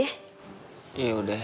ya udah emak makan dulu deh